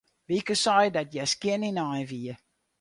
Wieke sei dat hja skjin ynein wie.